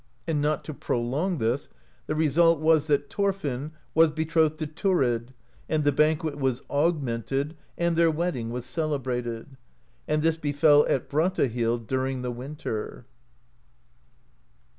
And not to prolong this the result was that Thorfinn was be trothed to Thurid, and the banquet was augmented, and their wedding was celebrated ; and this befell at Brattahlid during the winter.